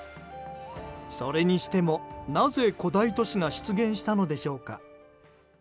それにしても、なぜ古代都市が出現したのでしょうか。